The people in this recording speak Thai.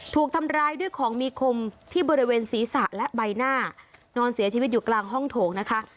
ถูกทำร้ายด้วยของมีคมที่บริเวณศีรษะและใบหน้านอนเสียชีวิตอยู่กลางห้องโถงนะคะ